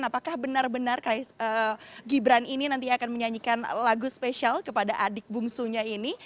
apakah benar benar gibran ini nanti akan menyanyikan lagu spesial kepada adik bungsunya ini